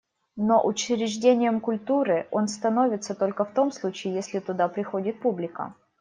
Но учреждением культуры он становится только в том случае, если туда приходит публика.